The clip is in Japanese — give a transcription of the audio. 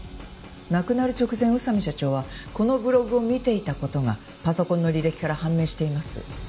亡くなる直前宇佐美社長はこのブログを見ていた事がパソコンの履歴から判明しています。